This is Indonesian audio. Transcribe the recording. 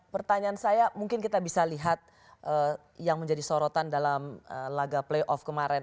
pertanyaan saya mungkin kita bisa lihat yang menjadi sorotan dalam laga playoff kemarin